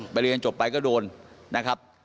ไปเรียนจบไปก็โดนนะครับ